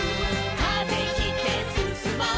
「風切ってすすもう」